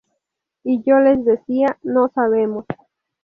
Y yo les decía “No sabemos.